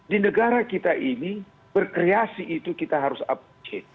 di negara kita ini berkreasi itu kita harus update